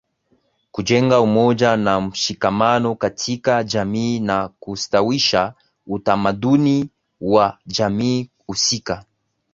Kujenga umoja na mshikamano katika jamii na Kustawisha utamaduni wa jamii husika